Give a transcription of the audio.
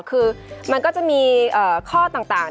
คือมันก็จะมีข้อต่าง